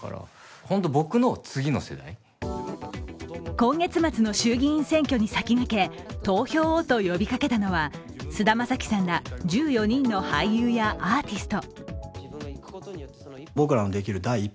今月末の衆議院選挙に先駆け「投票を」と呼びかけたのは菅田将暉さんら１４人の俳優やアーティスト。